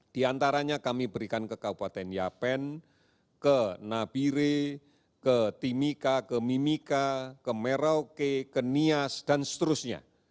di antaranya kami berikan ke kabupaten yapen ke nabire ke timika ke mimika ke merauke ke nias dan seterusnya